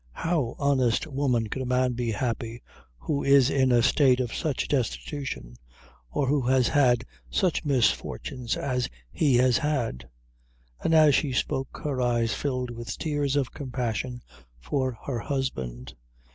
"How, honest woman, could a man be happy who is in a state of such destitution, or who has had such misfortunes as he has had;" and as she spoke her eyes filled with tears of compassion for her husband.